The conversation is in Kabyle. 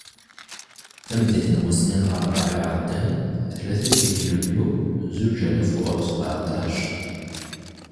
Tameddit n wass-nni n larebɛa iɛeddan, tlata deg yulyu zuǧ alaf u seεṭac.